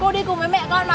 cô đi cùng với mẹ con mà